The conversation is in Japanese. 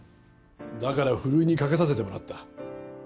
だからふるいにかけさせてもらった。